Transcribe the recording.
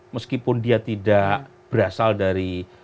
meskipun dia tidak berasal dari